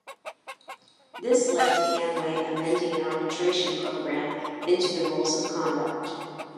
This led to Amway amending an arbitration program into the rules of conduct.